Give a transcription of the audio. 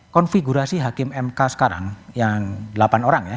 konfigurasi hakim mk sekarang yang delapan orang ya